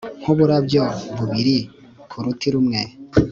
Nkuburabyo bubiri kuruti rumwe